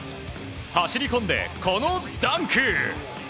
走り込んで、このダンク！